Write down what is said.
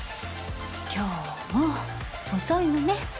今日も遅いのね。